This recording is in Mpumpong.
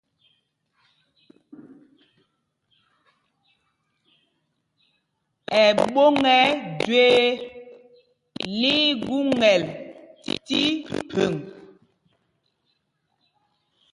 Ɛɓôŋ ɛ́ Jüee lí í gúŋɛl tí phēŋ.